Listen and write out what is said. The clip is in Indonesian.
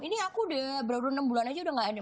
ini aku udah baru enam bulan aja udah gak ada